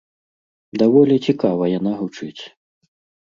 Даволі цікава яна гучыць.